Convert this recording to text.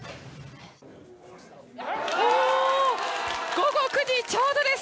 午後９時ちょうどです。